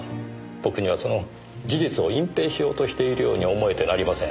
僕にはその事実を隠ぺいしようとしているように思えてなりません。